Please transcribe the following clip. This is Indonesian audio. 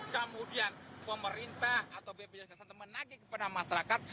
kemudian pemerintah atau bpjs kesehatan menagih kepada masyarakat